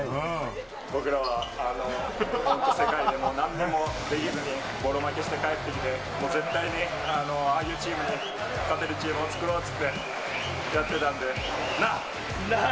僕らは本当、世界でもなんにもできずに、ぼろ負けして帰ってきて、もう絶対にああいうチームに勝てるチームを作ろうって言って、やってたんで、なぁ？